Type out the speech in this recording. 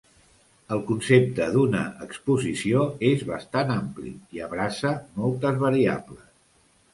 El concepte d'una exposició és bastant ampli i abraça moltes variables.